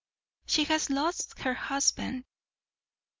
"She has lost her husband."